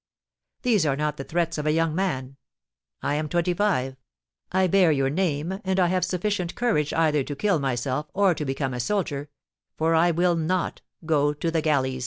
These are not the threats of a young man. I am twenty five; I bear your name, and I have sufficient courage either to kill myself, or to become a soldier; for I will not go to the galleys."